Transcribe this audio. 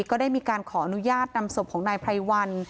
ก็ได้มีการขออนุญาตนำศพของนายไพรวัน